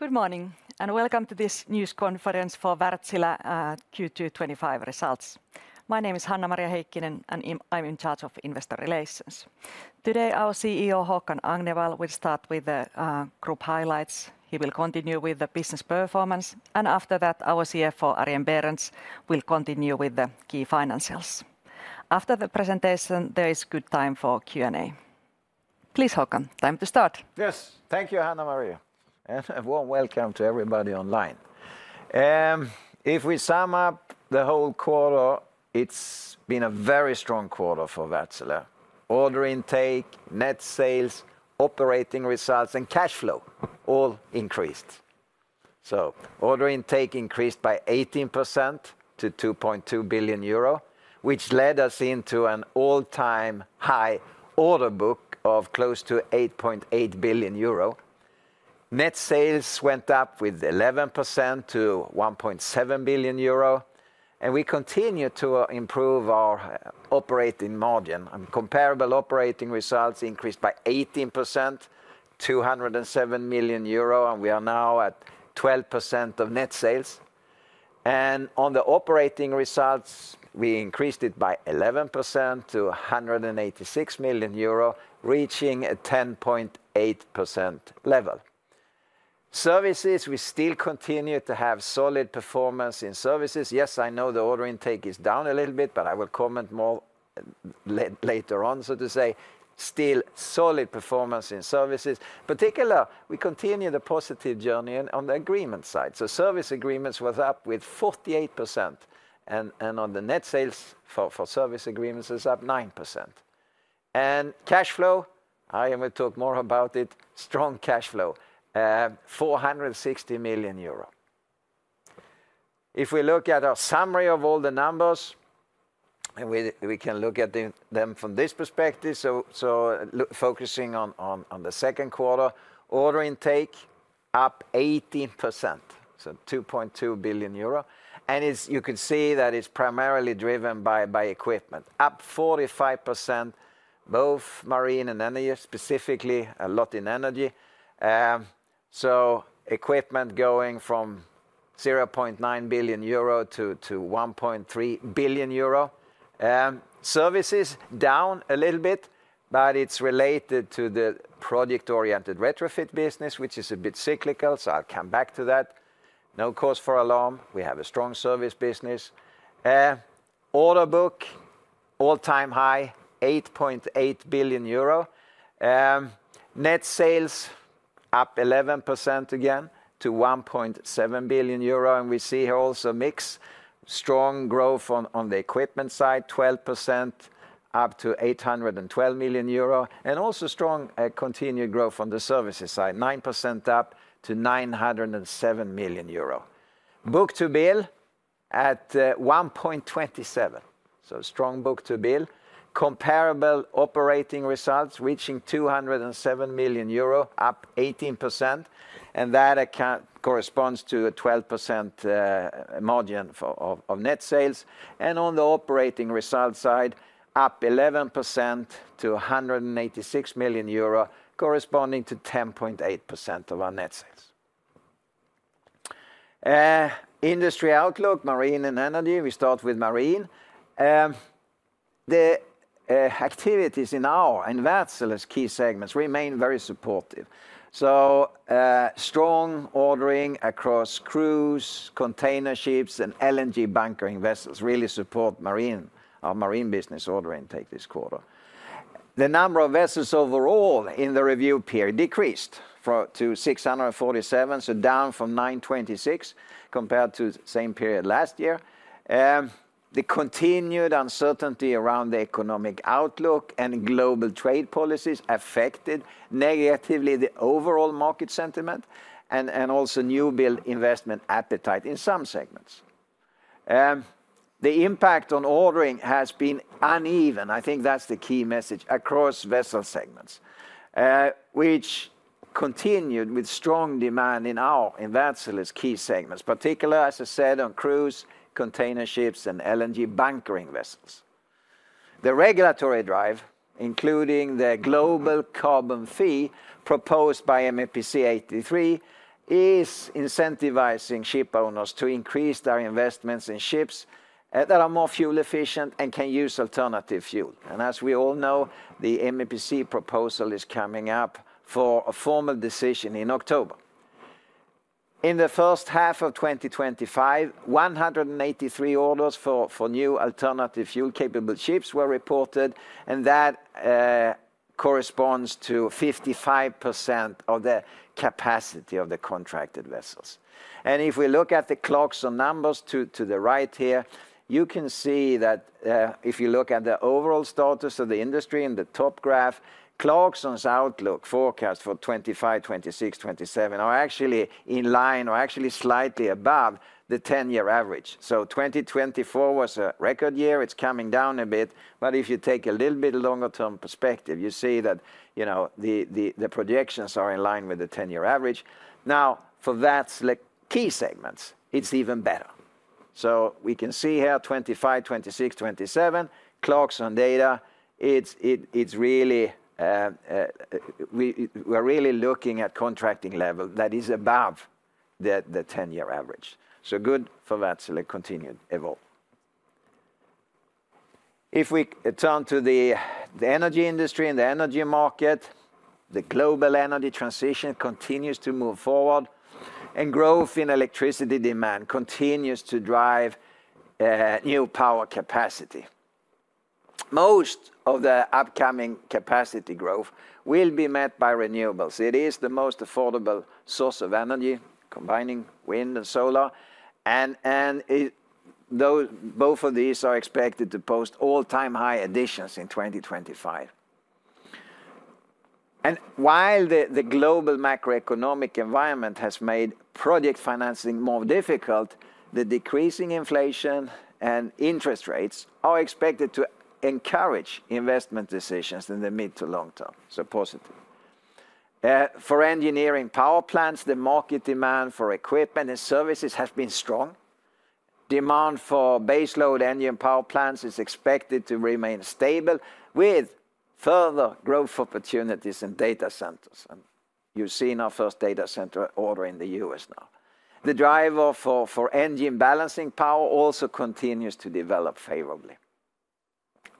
Good morning and welcome to this news conference for Wärtsilä Q2 2025 results. My name is Hanna-Maria Heikkinen and I'm in charge of investor relations. Today our CEO Håkan Agnevall will start with the group highlights. He will continue with the business performance and after that our CFO Arjen Berends will continue with the key financials. After the presentation there is good time for Q&A. Please Håkan, time to start. Yes, thank you Hanna-Maria and a warm welcome to everybody online. If we sum up the whole quarter, it's been a very strong quarter for Wärtsilä. Order intake, net sales, operating results, and cash flow all increased. So order intake increased by 18% to 2.2 billion euro, which led us into an all-time high order book of close to 8.8 billion euro. Net sales went up with 11% to 1.7 billion euro and we continue to improve our operating margin. Comparable operating results increased by 18%, 207 million euro and we are now at 12% of net sales. And on the operating results we increased it by 11% to 186 million euro, reaching a 10.8% level. Services, we still continue to have solid performance in services. Yes, I know the order intake is down a little bit but I will comment more later on, so to say. Still solid performance in services. In particular, we continue the positive journey on the agreement side. So service agreements was up with 48%. And on the net sales for service agreements is up 9%. And cash flow, Arjen will talk more about it, strong cash flow. 460 million euro. If we look at our summary of all the numbers, we can look at them from this perspective. So focusing on the second quarter, order intake up 18%, so 2.2 billion euro. And you can see that it's primarily driven by equipment, up 45%. Both marine and energy specifically, a lot in energy. So equipment going from 0.9 billion euro to 1.3 billion euro. Services down a little bit but it's related to the project-oriented retrofit business, which is a bit cyclical. So I'll come back to that. No cause for alarm, we have a strong service business. Order book, all-time high, 8.8 billion euro. Net sales up 11% again to 1.7 billion euro. And we see here also mixed strong growth on the equipment side, 12% up to 812 million euro. And also strong continued growth on the services side, 9% up to 907 million euro. Book to bill at 1.27, so strong book to bill. Comparable operating results reaching 207 million euro, up 18%. And that corresponds to a 12% margin of net sales. And on the operating result side, up 11% to 186 million euro, corresponding to 10.8% of our net sales. Industry outlook, marine and energy, we start with marine. The activities in our and Wärtsilä's key segments remain very supportive. So strong ordering across cruise, container ships, and LNG bunkering vessels really support marine, our marine business ordering take this quarter. The number of vessels overall in the review period decreased to 647, so down from 926 compared to the same period last year. The continued uncertainty around the economic outlook and global trade policies affected negatively the overall market sentiment and also new build investment appetite in some segments. The impact on ordering has been uneven. I think that's the key message across vessel segments. Which. Continued with strong demand in our and Wärtsilä's key segments, particularly as I said on cruise, container ships, and LNG bunkering vessels. The regulatory drive, including the global carbon fee proposed by MEPC 83, is incentivizing ship owners to increase their investments in ships that are more fuel efficient and can use alternative fuel. As we all know, the MEPC proposal is coming up for a formal decision in October. In the first half of 2025, 183 orders for new alternative fuel capable ships were reported and that corresponds to 55% of the capacity of the contracted vessels. If we look at the Clarksons numbers to the right here, you can see that if you look at the overall status of the industry in the top graph, Clarkson's outlook forecast for 2025, 2026, 2027 are actually in line or actually slightly above the 10-year average. So 2024 was a record year, it's coming down a bit, but if you take a little bit longer term perspective, you see that, you know, the projections are in line with the 10-year average. Now for Wärtsilä key segments, it's even better. So we can see here 2025, 2026, 2027, Clarkson data, it's really. We're really looking at contracting level that is above the 10-year average. So good for Wärtsilä continued evolve. If we turn to the energy industry and the energy market, the global energy transition continues to move forward. Growth in electricity demand continues to drive new power capacity. Most of the upcoming capacity growth will be met by renewables. It is the most affordable source of energy, combining wind and solar. Both of these are expected to post all-time high additions in 2025. While the global macroeconomic environment has made project financing more difficult, the decreasing inflation and interest rates are expected to encourage investment decisions in the mid to long term, so positive for engineering power plants. The market demand for equipment and services has been strong. Demand for baseload engine power plants is expected to remain stable with further growth opportunities in data centers. You've seen our first data center order in the U.S. now. The driver for engine balancing power also continues to develop favorably.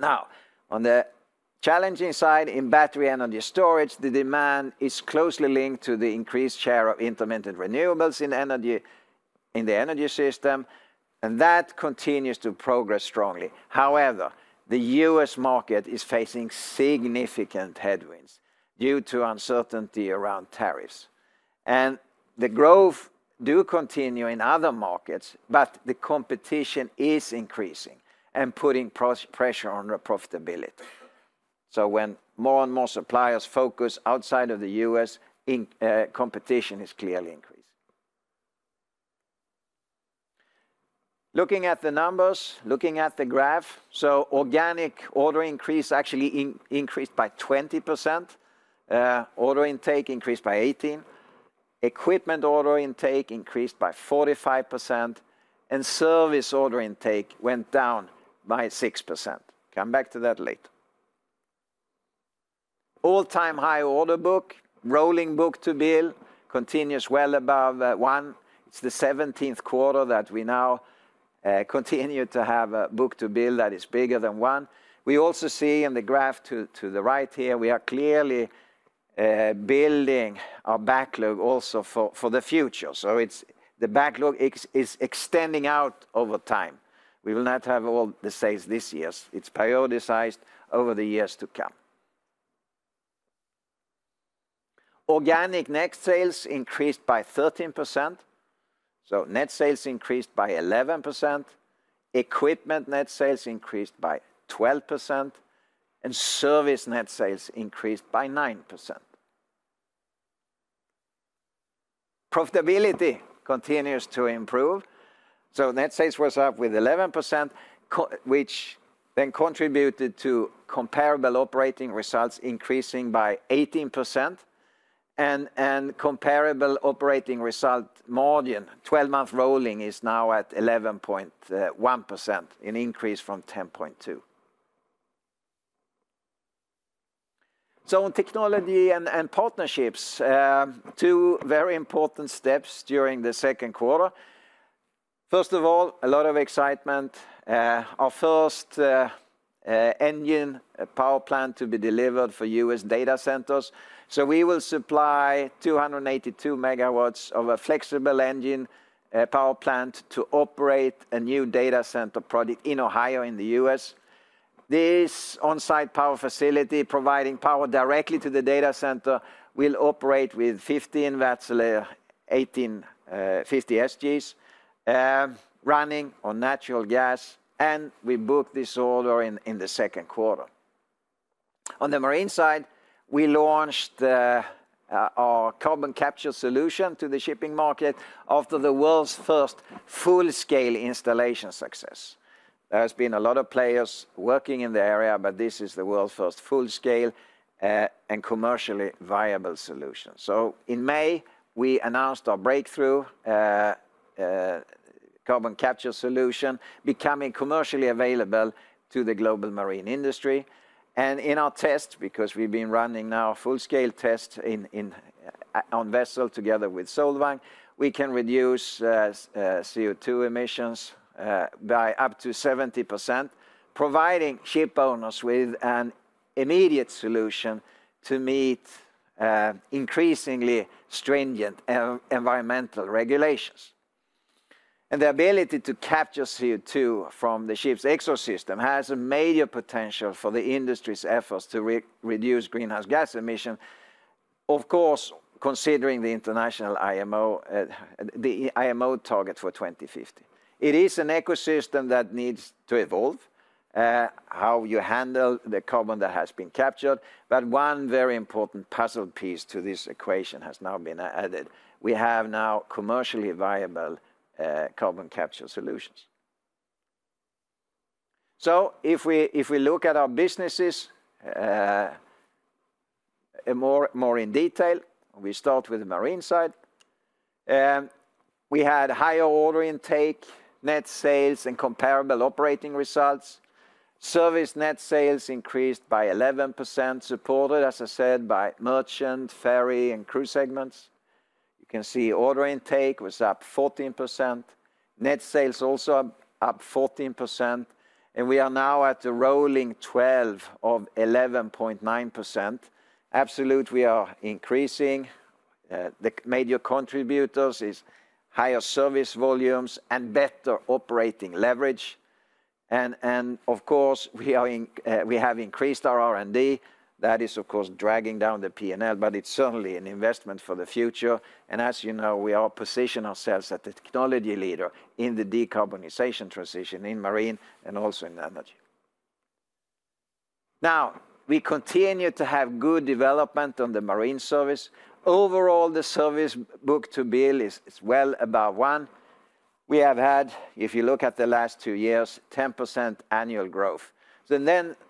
Now, on the challenging side in battery energy storage, the demand is closely linked to the increased share of intermittent renewables in the energy system, and that continues to progress strongly. However, the U.S. market is facing significant headwinds due to uncertainty around tariffs. The growth does continue in other markets, but the competition is increasing and putting pressure on the profitability. When more and more suppliers focus outside of the U.S., competition is clearly increasing. Looking at the numbers, looking at the graph, organic order increase actually increased by 20%. Order intake increased by 18%. Equipment order intake increased by 45%. Service order intake went down by 6%. Come back to that later. All-time high order book, rolling book to bill continues well above one. It's the 17th quarter that we now continue to have a book to bill that is bigger than one. We also see in the graph to the right here, we are clearly building our backlog also for the future. So the backlog is extending out over time. We will not have all the sales this year. It's periodicized over the years to come. Organic net sales increased by 13%. So net sales increased by 11%. Equipment net sales increased by 12%. And service net sales increased by 9%. Profitability continues to improve. So net sales was up with 11%. Which then contributed to comparable operating results increasing by 18%. And comparable operating result margin, 12-month rolling is now at 11.1%, an increase from 10.2%. So on technology and partnerships. Two very important steps during the second quarter. First of all, a lot of excitement. Our first engine power plant to be delivered for U.S. data centers. So we will supply 282 MW of a flexible engine power plant to operate a new data center project in Ohio in the U.S. This on-site power facility providing power directly to the data center will operate with 15 Wärtsilä 18V50SGs running on natural gas, and we booked this order in the second quarter. On the marine side, we launched our carbon capture solution to the shipping market after the world's first full-scale installation success. There has been a lot of players working in the area, but this is the world's first full-scale and commercially viable solution. So in May, we announced our breakthrough carbon capture solution becoming commercially available to the global marine industry. And in our test, because we've been running now a full-scale test on vessel together with Solvang, we can reduce CO2 emissions by up to 70%, providing ship owners with an immediate solution to meet increasingly stringent environmental regulations. And the ability to capture CO2 from the ship's ecosystem has a major potential for the industry's efforts to reduce greenhouse gas emissions, of course considering the international IMO target for 2050. It is an ecosystem that needs to evolve, how you handle the carbon that has been captured. But one very important puzzle piece to this equation has now been added. We have now commercially viable carbon capture solutions. So if we look at our businesses more in detail, we start with the marine side. We had higher order intake, net sales, and comparable operating results. Service net sales increased by 11%, supported, as I said, by merchant, ferry, and crew segments. You can see order intake was up 14%. Net sales also up 14%. And we are now at a rolling 12 of 11.9%. Absolute, we are increasing. The major contributors are higher service volumes and better operating leverage. And of course, we have increased our R&D. That is, of course, dragging down the P&L, but it's certainly an investment for the future. As you know, we are positioning ourselves as a technology leader in the decarbonization transition in marine and also in energy. Now, we continue to have good development on the marine service. Overall, the service book to bill is well above one. We have had, if you look at the last two years, 10% annual growth. So then some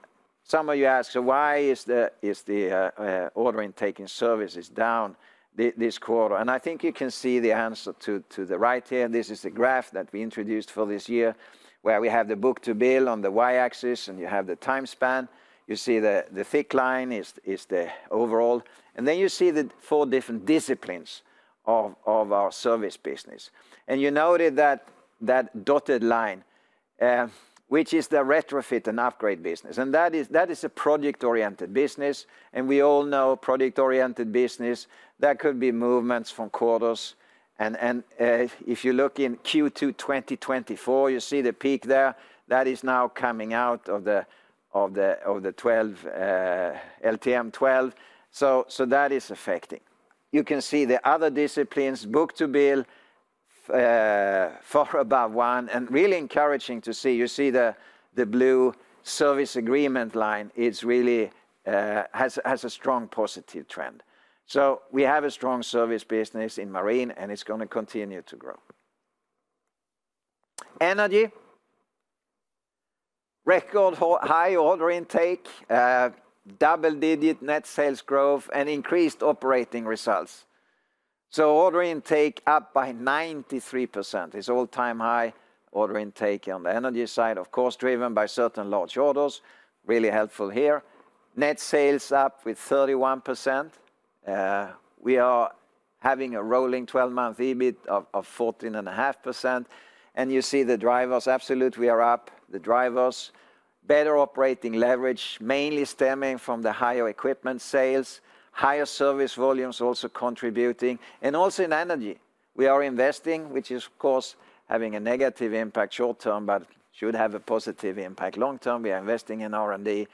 of you ask, so why is the order intake in services down this quarter? And I think you can see the answer to the right here. This is the graph that we introduced for this year where we have the book to bill on the Y axis and you have the time span. You see the thick line is the overall. And then you see the four different disciplines of our service business. And you note the dotted line, which is the retrofit and upgrade business. And that is a project-oriented business. And we all know project-oriented business, there could be movements from quarters. And if you look in Q2 2024, you see the peak there. That is now coming out of the 12, LTM 12. So that is affecting. You can see the other disciplines, book to bill far above one. And really encouraging to see, you see the blue service agreement line, it really has a strong positive trend. So we have a strong service business in marine and it's going to continue to grow. Energy. Record high order intake. Double-digit net sales growth, and increased operating results. So order intake up by 93%. It's all-time high order intake on the energy side, of course, driven by certain large orders. Really helpful here. Net sales up with 31%. We are having a rolling 12-month EBIT of 14.5%. And you see the drivers, absolutely, we are up. The drivers. Better operating leverage, mainly stemming from the higher equipment sales. Higher service volumes also contributing. And also in energy, we are investing, which is, of course, having a negative impact short term, but should have a positive impact long term. We are investing in R&D.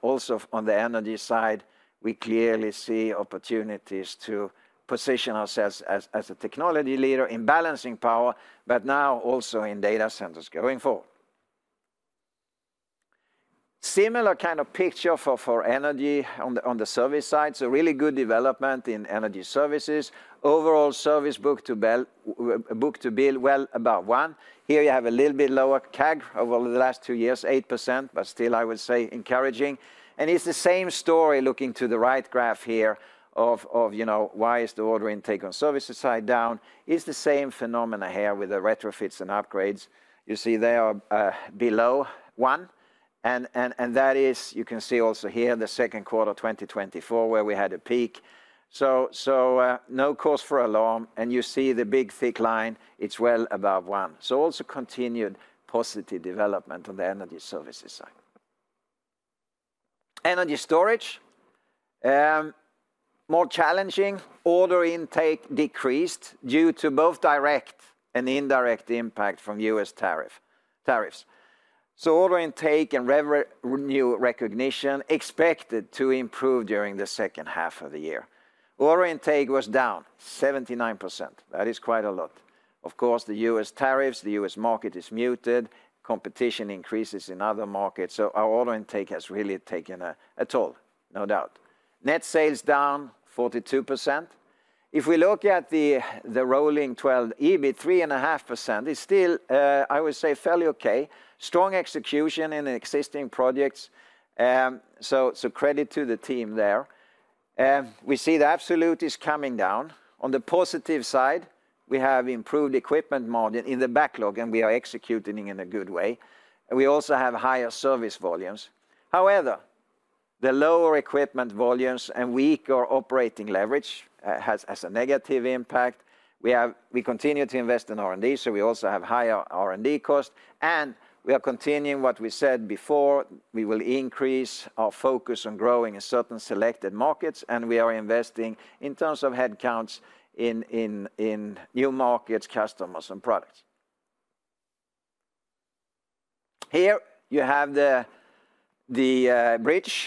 Also on the energy side, we clearly see opportunities to position ourselves as a technology leader in balancing power, but now also in data centers going forward. Similar kind of picture for energy on the service side. So really good development in energy services. Overall service book to bill well above one. Here you have a little bit lower CAGR over the last two years, 8%, but still I would say encouraging. And it's the same story looking to the right graph here of why is the order intake on service side down. It's the same phenomena here with the retrofits and upgrades. You see they are below one. And that is, you can see also here the second quarter 2024 where we had a peak. So no cause for alarm. And you see the big thick line, it's well above one. So also continued positive development on the energy services side. Energy storage. More challenging. Order intake decreased due to both direct and indirect impact from U.S. tariffs. So order intake and revenue recognition expected to improve during the second half of the year. Order intake was down 79%. That is quite a lot. Of course, the U.S. tariffs, the U.S. market is muted. Competition increases in other markets. So our order intake has really taken a toll, no doubt. Net sales down 42%. If we look at the rolling 12, EBIT 3.5%, it's still, I would say, fairly okay. Strong execution in existing projects. So credit to the team there. We see the absolute is coming down. On the positive side, we have improved equipment margin in the backlog and we are executing in a good way. We also have higher service volumes. However. The lower equipment volumes and weaker operating leverage has a negative impact. We continue to invest in R&D, so we also have higher R&D cost. And we are continuing what we said before. We will increase our focus on growing in certain selected markets, and we are investing in terms of headcounts in new markets, customers, and products. Here you have the EBIT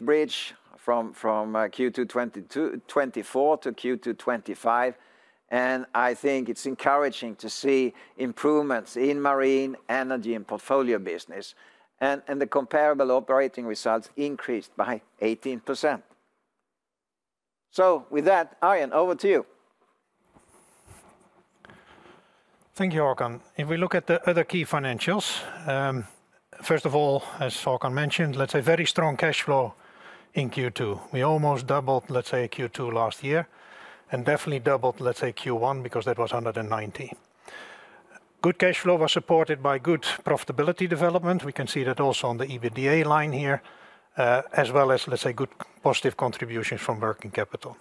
bridge from Q2 2024 to Q2 2025. And I think it's encouraging to see improvements in marine, energy, and portfolio business. And the comparable operating results increased by 18%. So with that, Arjen, over to you. Thank you, Håkan. If we look at the other key financials. First of all, as Håkan mentioned, let's say very strong cash flow in Q2. We almost doubled, let's say, Q2 last year and definitely doubled, let's say, Q1 because that was under the 90. Good cash flow was supported by good profitability development. We can see that also on the EBITDA line here, as well as, let's say, good positive contributions from working capital.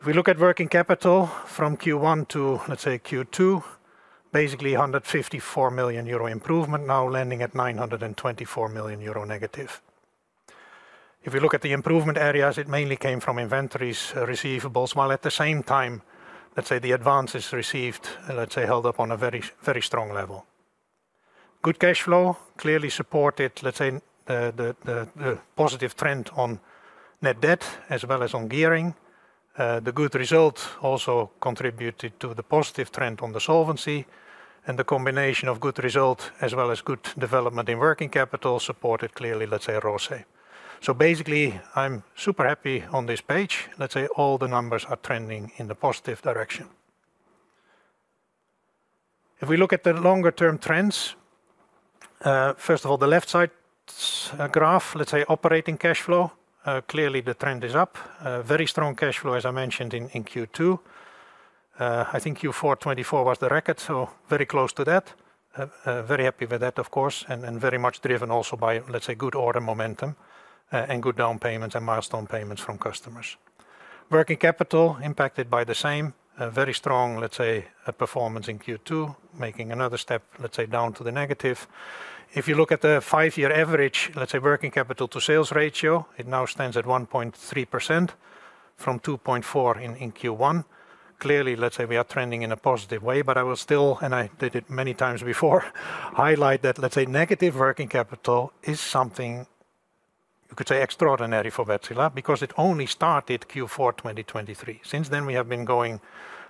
If we look at working capital from Q1 to, let's say, Q2, basically 154 million euro improvement, now landing at 924 million euro negative. If we look at the improvement areas, it mainly came from inventories, receivables, while at the same time, let's say, the advances received, let's say, held up on a very strong level. Good cash flow clearly supported, let's say, the positive trend on net debt as well as on gearing. The good results also contributed to the positive trend on the solvency. And the combination of good result as well as good development in working capital supported clearly, let's say, ROE. So basically, I'm super happy on this page. Let's say all the numbers are trending in the positive direction. If we look at the longer-term trends, first of all, the left side graph, let's say, operating cash flow, clearly the trend is up. Very strong cash flow, as I mentioned, in Q2. I think Q4 2024 was the record, so very close to that. Very happy with that, of course, and very much driven also by, let's say, good order momentum and good down payments and milestone payments from customers. Working capital impacted by the same. Very strong, let's say, performance in Q2, making another step, let's say, down to the negative. If you look at the five-year average, let's say, working capital to sales ratio, it now stands at 1.3%. From 2.4% in Q1. Clearly, let's say, we are trending in a positive way, but I will still, and I did it many times before, highlight that, let's say, negative working capital is something. You could say extraordinary for Wärtsilä because it only started Q4 2023. Since then, we have been going,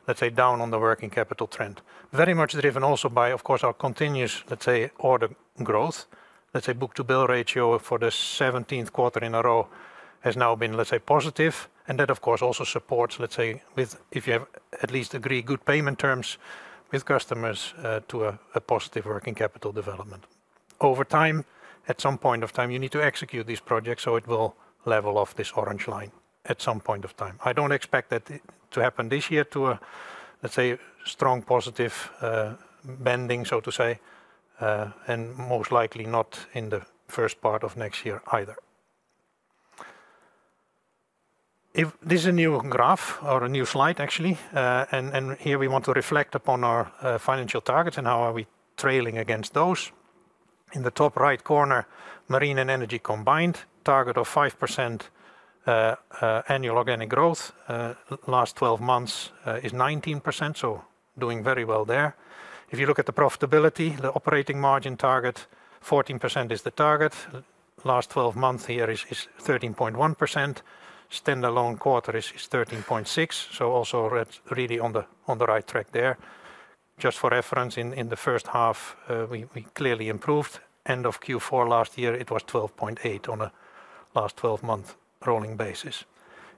let's say, down on the working capital trend. Very much driven also by, of course, our continuous, let's say, order growth. Let's say, book to bill ratio for the 17th quarter in a row has now been, let's say, positive. And that, of course, also supports, let's say, if you at least agree, good payment terms with customers to a positive working capital development. Over time, at some point of time, you need to execute these projects, so it will level off this orange line at some point of time. I don't expect that to happen this year to a, let's say, strong positive. Bending, so to say. And most likely not in the first part of next year either. This is a new graph or a new slide, actually. And here we want to reflect upon our financial targets and how are we trailing against those. In the top right corner, marine and energy combined, target of 5%. Annual organic growth. Last 12 months is 19%, so doing very well there. If you look at the profitability, the operating margin target, 14% is the target. Last 12 months here is 13.1%. Standalone quarter is 13.6%. So also really on the right track there. Just for reference, in the first half, we clearly improved. End of Q4 last year, it was 12.8% on a last 12-month rolling basis.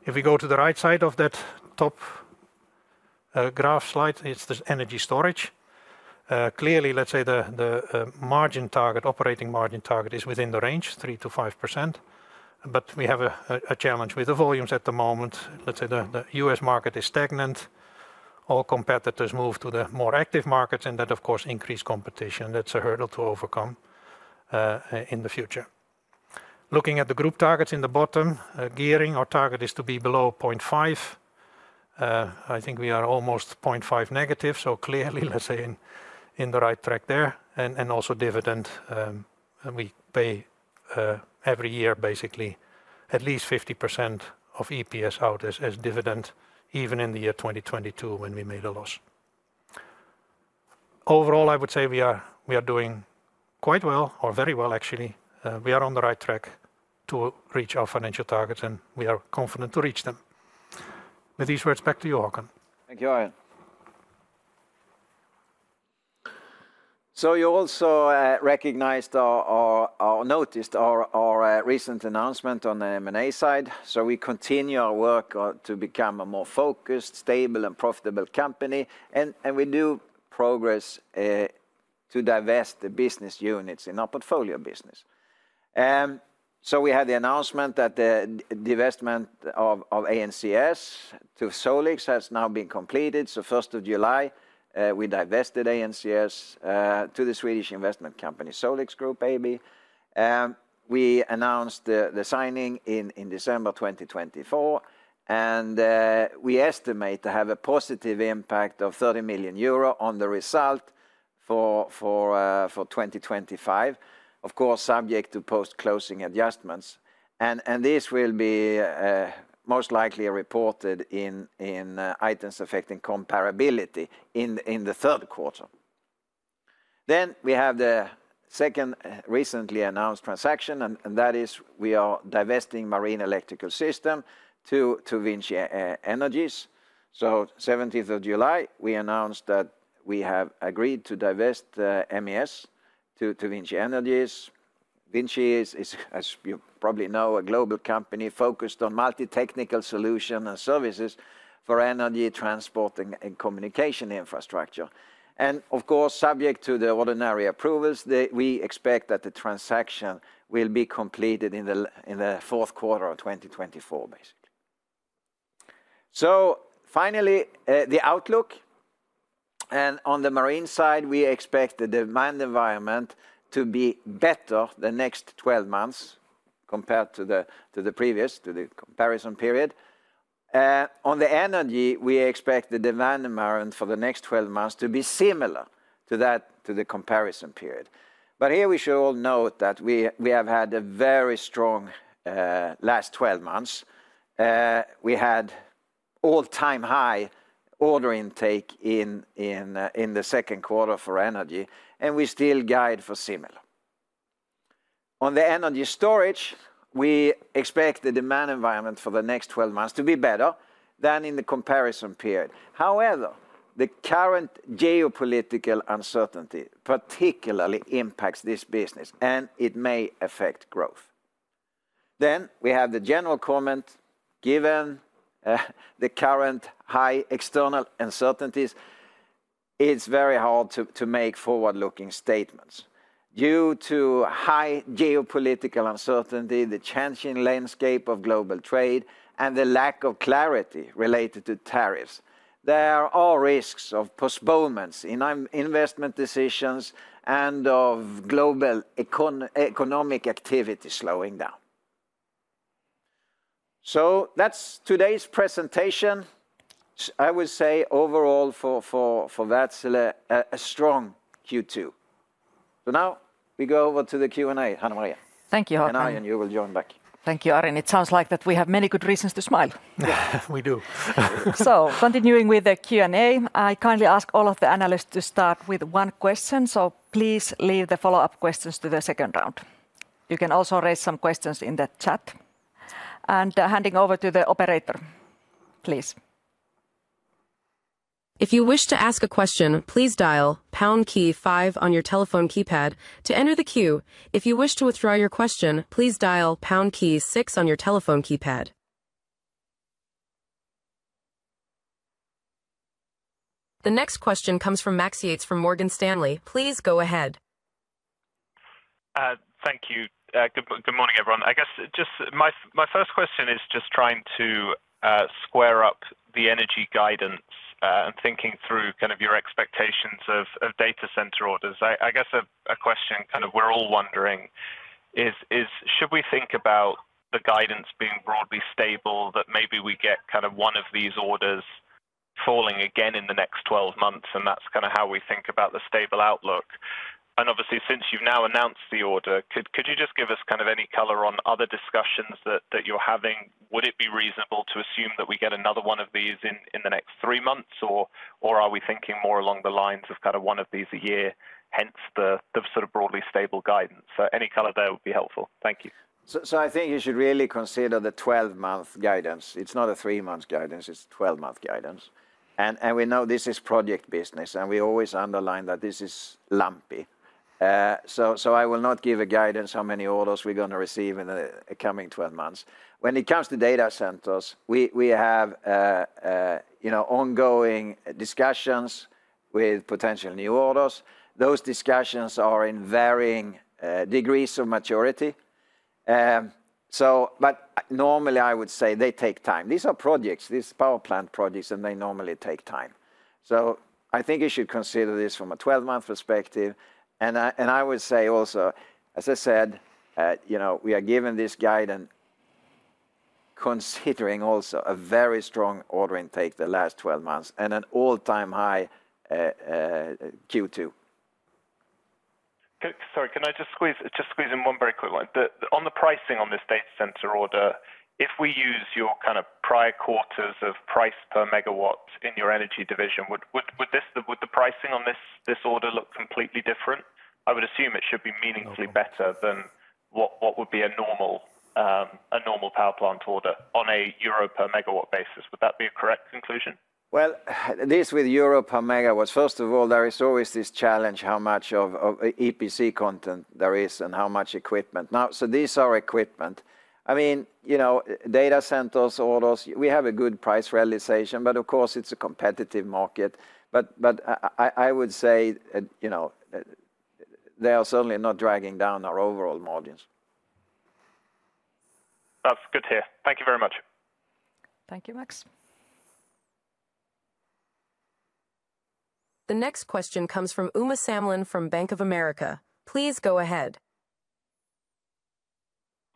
If we go to the right side of that top. Graph slide, it's the energy storage. Clearly, let's say the. Margin target, operating margin target is within the range, 3%-5%. But we have a challenge with the volumes at the moment. Let's say the U.S. market is stagnant. All competitors move to the more active markets, and that, of course, increases competition. That's a hurdle to overcome. In the future. Looking at the group targets in the bottom, gearing our target is to be below 0.5. I think we are almost 0.5-, so clearly, let's say, in the right track there. And also dividend. We pay. Every year, basically, at least 50% of EPS out as dividend, even in the year 2022 when we made a loss. Overall, I would say we are doing quite well, or very well, actually. We are on the right track to reach our financial targets, and we are confident to reach them. With these words, back to you, Håkan. Thank you, Arjen. So you also recognized. Or noticed our recent announcement on the M&A side. So we continue our work to become a more focused, stable, and profitable company. And we do progress. To divest the business units in our portfolio business. So we had the announcement that the divestment of ANCS to Solix has now been completed. So 1st of July, we divested ANCS to the Swedish investment company, Solix Group AB. We announced the signing in December 2024. And we estimate to have a positive impact of 30 million euro on the result for 2025, of course, subject to post-closing adjustments. And this will be most likely reported in items affecting comparability in the third quarter. Then we have the second recently announced transaction, and that is we are divesting marine electrical system to VINCI Energies. So 17th of July, we announced that we have agreed to divest MES to VINCI Energies. VINCI is, as you probably know, a global company focused on multi-technical solutions and services for energy, transport, and communication infrastructure. And of course, subject to the ordinary approvals, we expect that the transaction will be completed in the fourth quarter of 2024, basically. So finally, the outlook. And on the marine side, we expect the demand environment to be better the next 12 months compared to the previous, to the comparison period. On the energy, we expect the demand environment for the next 12 months to be similar to that to the comparison period. But here we should all note that we have had a very strong last 12 months. We had all-time high order intake in the second quarter for energy, and we still guide for similar. On the energy storage, we expect the demand environment for the next 12 months to be better than in the comparison period. However, the current geopolitical uncertainty particularly impacts this business, and it may affect growth. Then we have the general comment. Given the current high external uncertainties, it's very hard to make forward-looking statements. Due to high geopolitical uncertainty, the changing landscape of global trade, and the lack of clarity related to tariffs, there are risks of postponements in investment decisions and of global economic activity slowing down. So that's today's presentation. I would say overall for Wärtsilä, a strong Q2. So now we go over to the Q&A, Hanna-Maria. Thank you, Håkan. And Arjen, you will join back. Thank you, Arjen. It sounds like that we have many good reasons to smile. We do. So continuing with the Q&A, I kindly ask all of the analysts to start with one question. So please leave the follow-up questions to the second round. You can also raise some questions in the chat. And handing over to the operator, please. If you wish to ask a question, please dial pound key five on your telephone keypad to enter the queue. If you wish to withdraw your question, please dial pound key six on your telephone keypad. The next question comes from Max Yates from Morgan Stanley. Please go ahead. Thank you. Good morning, everyone. I guess just my first question is just trying to square up the energy guidance and thinking through kind of your expectations of data center orders. I guess a question kind of we're all wondering is. Should we think about the guidance being broadly stable that maybe we get kind of one of these orders falling again in the next 12 months? And that's kind of how we think about the stable outlook. And obviously, since you've now announced the order, could you just give us kind of any color on other discussions that you're having? Would it be reasonable to assume that we get another one of these in the next three months, or are we thinking more along the lines of kind of one of these a year, hence the sort of broadly stable guidance? So any color there would be helpful. Thank you. So I think you should really consider the 12-month guidance. It's not a three-month guidance. It's a 12-month guidance. And we know this is project business, and we always underline that this is lumpy. So I will not give a guidance on how many orders we're going to receive in the coming 12 months. When it comes to data centers, we have ongoing discussions with potential new orders. Those discussions are in varying degrees of maturity. But normally, I would say they take time. These are projects, these power plant projects, and they normally take time. So I think you should consider this from a 12-month perspective. And I would say also, as I said, we are given this guidance considering also a very strong order intake the last 12 months and an all-time high Q2. Sorry, can I just squeeze in one very quick line? On the pricing on this data center order, if we use your kind of prior quarters of price per megawatt in your energy division, would the pricing on this order look completely different? I would assume it should be meaningfully better than what would be a normal power plant order on a euro per megawatt basis. Would that be a correct conclusion? Well, this with euro per megawatt, first of all, there is always this challenge how much of EPC content there is and how much equipment. Now, so these are equipment. I mean, data centers orders, we have a good price realization, but of course, it's a competitive market. But I would say they are certainly not dragging down our overall margins. That's good to hear. Thank you very much. Thank you, Max. The next question comes from Uma Samlin from Bank of America. Please go ahead.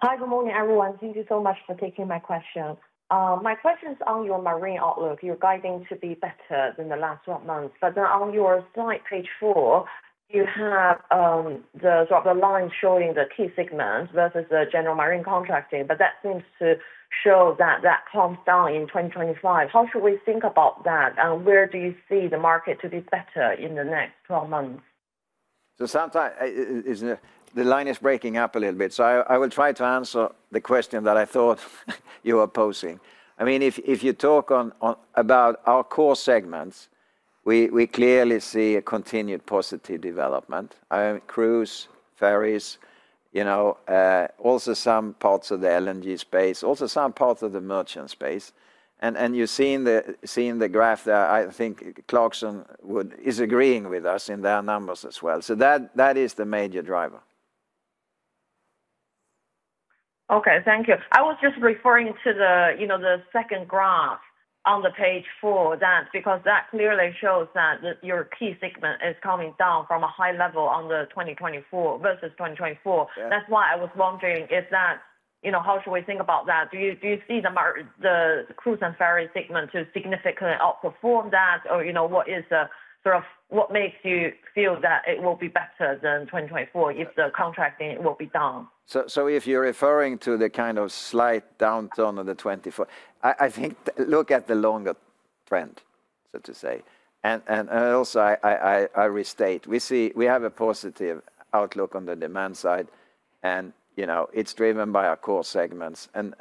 Hi, good morning, everyone. Thank you so much for taking my question. My question is on your marine outlook. Your guidance should be better than the last 12 months. But then on your slide, page four, you have the line showing the key segments versus the general marine contracting. But that seems to show that that comes down in 2025. How should we think about that? And where do you see the market to be better in the next 12 months? So sometimes the line is breaking up a little bit. So I will try to answer the question that I thought you were posing. I mean, if you talk about our core segments, we clearly see a continued positive development. I mean, cruise, ferries. Also some parts of the LNG space, also some parts of the merchant space. And you're seeing the graph there. I think Clarkson is agreeing with us in their numbers as well. So that is the major driver. Okay, thank you. I was just referring to the second graph on the page four, that because that clearly shows that your key segment is coming down from a high level in the 2024 versus 2025. That's why I was wondering, is that how should we think about that? Do you see the cruise and ferry segment to significantly outperform that? Or what is the sort of what makes you feel that it will be better than 2024 if the contracting will be down? So if you're referring to the kind of slight downturn in the 2024, I think look at the longer trend, so to say. And also, I restate, we have a positive outlook on the demand side, and it's driven by our core segments. And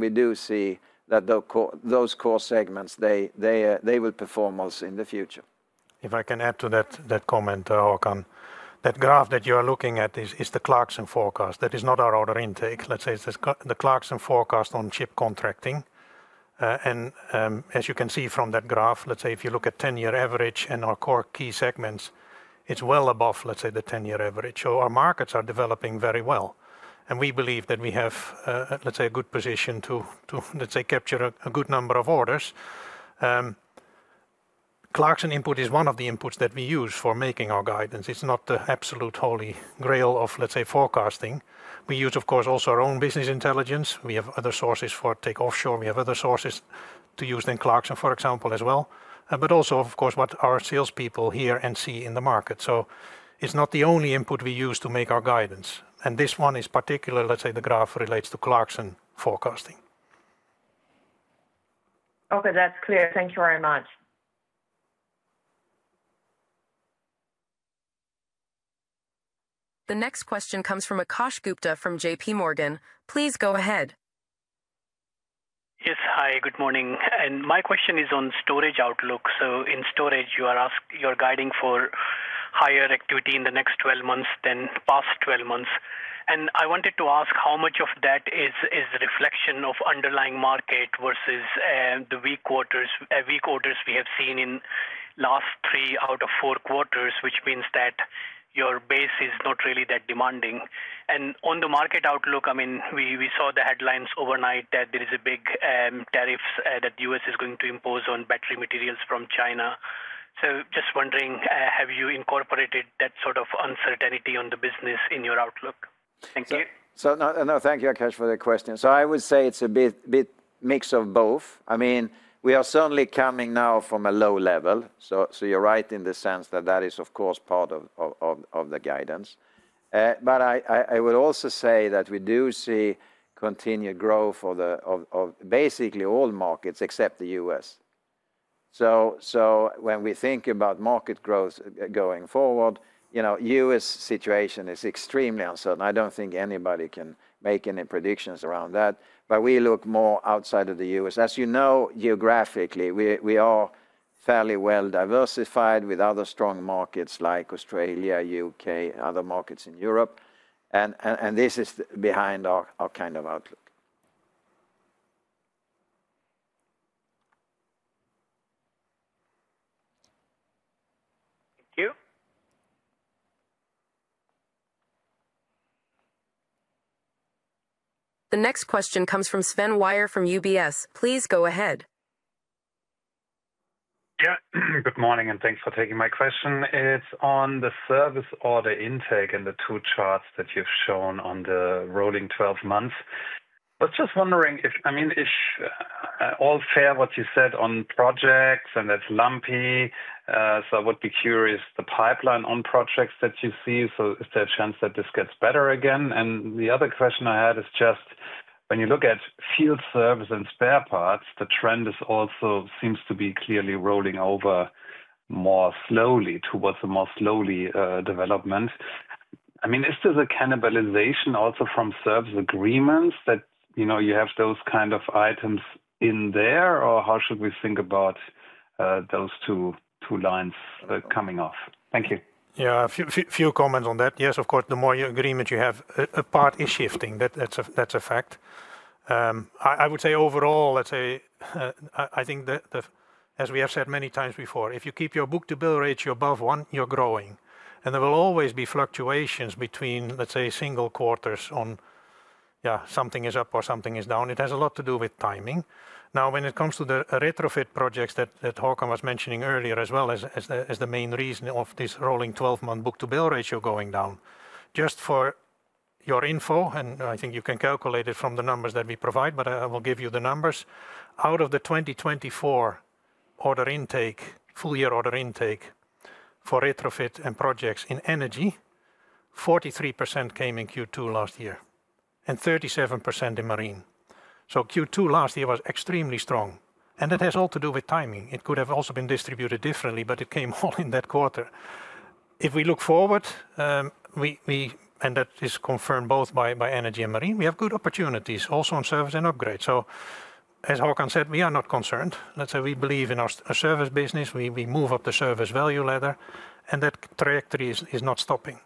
we do see that those core segments, they will perform also in the future. If I can add to that comment, Håkan, that graph that you are looking at is the Clarkson forecast. That is not our order intake. Let's say it's the Clarkson forecast on ship contracting. And as you can see from that graph, let's say if you look at 10-year average and our core key segments, it's well above, let's say, the 10-year average. So our markets are developing very well. And we believe that we have, let's say, a good position to, let's say, capture a good number of orders. Clarkson input is one of the inputs that we use for making our guidance. It's not the absolute holy grail of, let's say, forecasting. We use, of course, also our own business intelligence. We have other sources for tankers offshore. We have other sources to use than Clarkson, for example, as well. But also, of course, what our salespeople hear and see in the market. So it's not the only input we use to make our guidance. And this one is particular, let's say, the graph relates to Clarkson forecasting. Okay, that's clear. Thank you very much. The next question comes from Akash Gupta from JPMorgan. Please go ahead. Yes, hi, good morning. And my question is on storage outlook. So in storage, you are guiding for higher activity in the next 12 months than past 12 months. And I wanted to ask how much of that is a reflection of underlying market versus the weak quarters, weak orders we have seen in last three out of four quarters, which means that your base is not really that demanding. And on the market outlook, I mean, we saw the headlines overnight that there is a big tariff that the U.S. is going to impose on battery materials from China. So just wondering, have you incorporated that sort of uncertainty on the business in your outlook? Thank you. So no, thank you, Akash, for the question. So I would say it's a bit mix of both. I mean, we are certainly coming now from a low level. So you're right in the sense that that is, of course, part of the guidance. But I would also say that we do see continued growth of basically all markets except the U.S. So when we think about market growth going forward, U.S. situation is extremely uncertain. I don't think anybody can make any predictions around that. But we look more outside of the U.S. As you know, geographically, we are fairly well diversified with other strong markets like Australia, U.K., and other markets in Europe. And this is behind our kind of outlook. Thank you. The next question comes from Sven Weier from UBS. Please go ahead. Yeah, good morning and thanks for taking my question. It's on the service order intake and the two charts that you've shown on the rolling 12 months. I was just wondering if, I mean, I'll buy what you said on projects and that's lumpy. So I would be curious the pipeline on projects that you see. So is there a chance that this gets better again? And the other question I had is just when you look at field service and spare parts, the trend also seems to be clearly rolling over more slowly towards a more slowly development. I mean, is there a cannibalization also from service agreements that you have those kind of items in there? Or how should we think about those two lines coming off? Thank you. Yeah, a few comments on that. Yes, of course, the more agreements you have, a part is shifting. That's a fact. I would say overall, let's say, I think, as we have said many times before, if you keep your book to bill ratio above one, you're growing. And there will always be fluctuations between, let's say, single quarters on. Yeah, something is up or something is down. It has a lot to do with timing. Now, when it comes to the retrofit projects that Håkan was mentioning earlier, as well as the main reason of this rolling 12-month book to bill ratio going down, just for. Your info, and I think you can calculate it from the numbers that we provide, but I will give you the numbers. Out of the 2024 order intake, full year order intake for retrofit and projects in energy. 43% came in Q2 last year and 37% in marine. So Q2 last year was extremely strong. And that has all to do with timing. It could have also been distributed differently, but it came all in that quarter. If we look forward. And that is confirmed both by energy and marine, we have good opportunities also on service and upgrade. So as Håkan said, we are not concerned. Let's say we believe in our service business. We move up the service value ladder. And that trajectory is not stopping.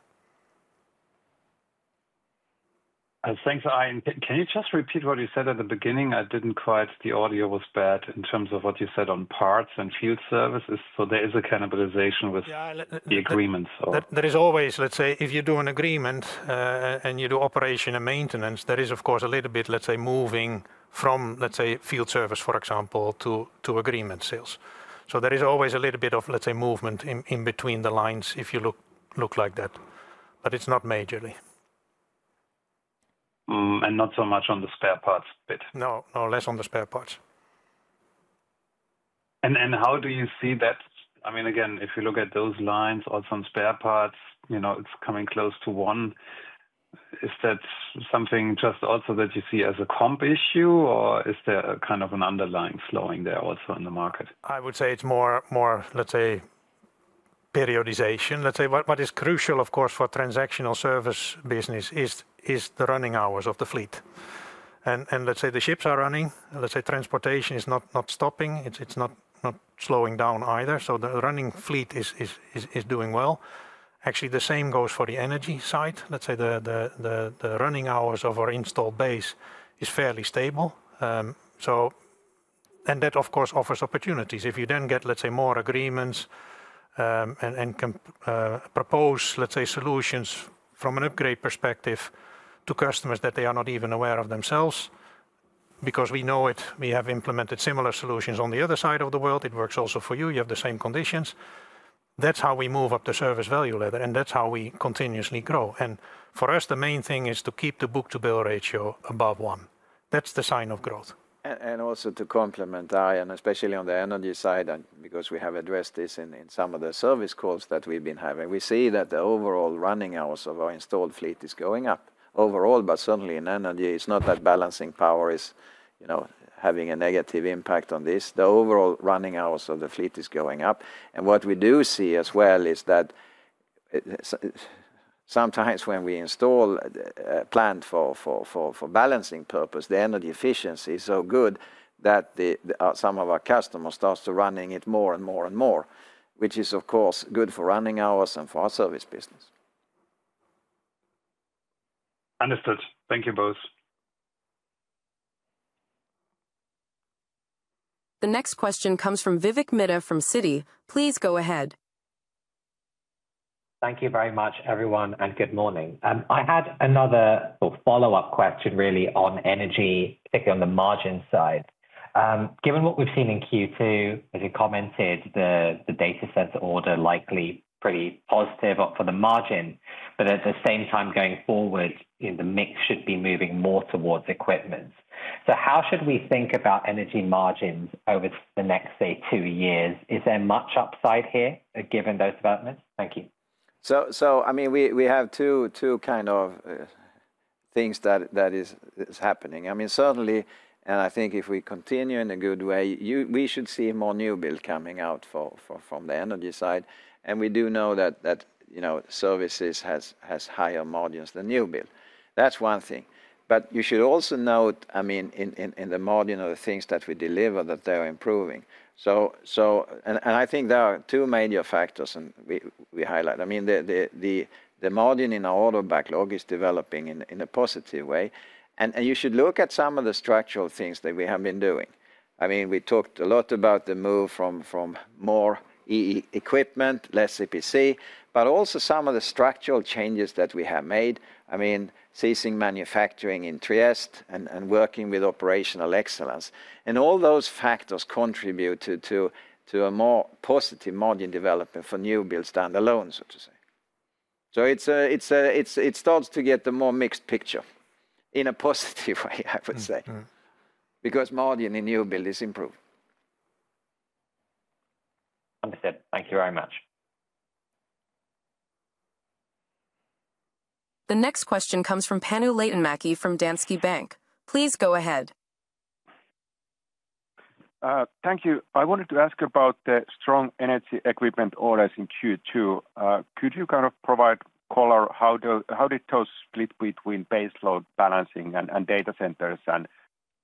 Thanks, Arjen. Can you just repeat what you said at the beginning? I didn't quite, the audio was bad in terms of what you said on parts and field service. So there is a cannibalization with the agreements. There is always, let's say, if you do an agreement. And you do operation and maintenance, there is, of course, a little bit, let's say, moving from, let's say, field service, for example, to agreement sales. So there is always a little bit of, let's say, movement in between the lines if you look like that. But it's not majorly. And not so much on the spare parts bit. No, no, less on the spare parts. And how do you see that? I mean, again, if you look at those lines, also on spare parts, it's coming close to one. Is that something just also that you see as a comp issue, or is there kind of an underlying slowing there also in the market? I would say it's more, let's say. Periodization. Let's say what is crucial, of course, for transactional service business is the running hours of the fleet. And let's say the ships are running. Let's say transportation is not stopping. It's not slowing down either. So the running fleet is doing well. Actually, the same goes for the energy side. Let's say the running hours of our installed base is fairly stable. And that, of course, offers opportunities. If you then get, let's say, more agreements. And propose, let's say, solutions from an upgrade perspective to customers that they are not even aware of themselves, because we know it, we have implemented similar solutions on the other side of the world, it works also for you, you have the same conditions, that's how we move up the service value ladder. And that's how we continuously grow. And for us, the main thing is to keep the book to bill ratio above one. That's the sign of growth. And also to complement, Arjen, especially on the energy side, because we have addressed this in some of the service calls that we've been having, we see that the overall running hours of our installed fleet is going up. Overall, but certainly in energy, it's not that balancing power is having a negative impact on this. The overall running hours of the fleet is going up. And what we do see as well is that. Sometimes when we install. A plant for. Balancing purpose, the energy efficiency is so good that. Some of our customers start to run it more and more and more, which is, of course, good for running hours and for our service business. Understood. Thank you both. The next question comes from Vivek Midha from Citi. Please go ahead. Thank you very much, everyone, and good morning. I had another sort of follow-up question, really, on energy, particularly on the margin side. Given what we've seen in Q2, as you commented, the data center order likely pretty positive for the margin, but at the same time, going forward, the mix should be moving more towards equipment. So how should we think about energy margins over the next, say, two years? Is there much upside here given those developments? Thank you. So, I mean, we have two kind of. Things that is happening. I mean, certainly, and I think if we continue in a good way, we should see more new build coming out from the energy side. And we do know that. Services has higher margins than new build. That's one thing. But you should also note, I mean, in the margin of the things that we deliver, that they're improving. So. And I think there are two major factors we highlight. I mean. The margin in our order backlog is developing in a positive way. And you should look at some of the structural things that we have been doing. I mean, we talked a lot about the move from. More. Equipment, less CPC, but also some of the structural changes that we have made. I mean, ceasing manufacturing in Trieste and working with operational excellence. And all those factors contribute to. A more positive margin development for new build standalone, so to say. So it. Starts to get a more mixed picture in a positive way, I would say. Because margin in new build is improved. Understood. Thank you very much. The next question comes from Panu Laitinmäki from Danske Bank. Please go ahead. Thank you. I wanted to ask about the strong energy equipment orders in Q2. Could you kind of provide color how did those split between baseload balancing and data centers?